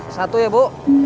satu ya bu